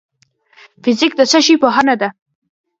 فزیک د څه شي پوهنه ده؟